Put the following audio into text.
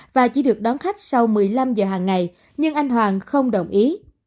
và chỉ được đón khách sau một mươi năm giờ hàng ngày nhưng anh hoàng không đồng ý